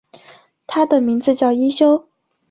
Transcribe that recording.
他的名字叫一休。